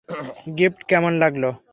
Gift কেমন লাগলো?